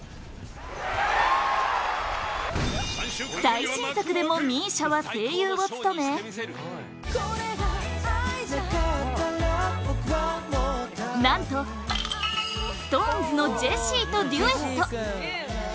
最新作でもＭＩＳＩＡは声優を務め何と、ＳｉｘＴＯＮＥＳのジェシーとデュエット！